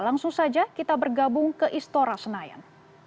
langsung saja kita bergabung ke istora senayan